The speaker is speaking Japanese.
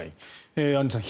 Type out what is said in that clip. アンジュさん